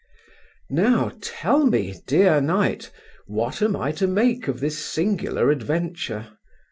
Now tell me, dear knight, what am I to make of this singular adventure?